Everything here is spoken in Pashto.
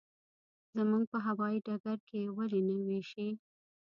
زموږ په هوايي ډګر کې یې ولې نه وېشي.